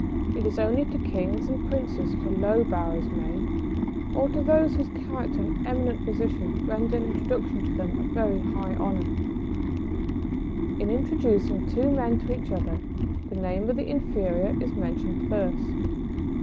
It is only to kings and princes that a low bow is made, or to those whose character and eminent position render an introduction to them a very high honour. [Sidenote: Introducing men to men.] In introducing two men to each other the name of the inferior is mentioned first.